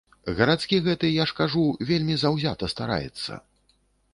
Гарадскі гэты, я ж кажу, вельмі заўзята стараецца.